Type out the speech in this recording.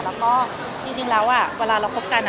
แล้วก็จริงแล้วเวลาเราคบกัน